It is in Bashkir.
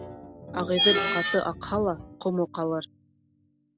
Ағиҙел ҡаты аҡһа ла, ҡомо ҡалыр